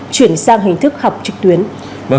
chuyển sang hình thức học trực tuyến